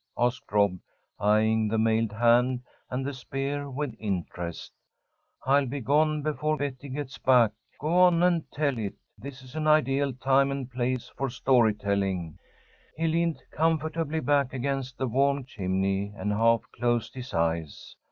asked Rob, eying the mailed hand and the spear with interest. "I'll be gone before Betty gets back. Go on and tell it. This is an ideal time and place for story telling." He leaned comfortably back against the warm chimney and half closed his eyes.